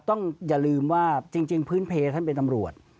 อย่าลืมว่าจริงพื้นเพลท่านเป็นตำรวจ